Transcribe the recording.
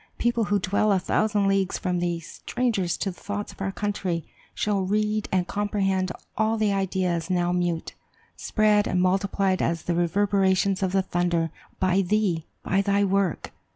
People who dwell a thousand leagues from thee, strangers to the thoughts of our country, shall read and comprehend all the ideas now mute, spread and multiplied as the reverberations of the thunder, by thee, by thy work.